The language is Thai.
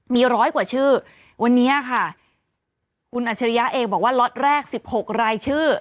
มีร้อยกว่าชื่อวันนี้ค่ะคุณอัจฉริยะเองบอกว่าล็อตแรก๑๖รายชื่อ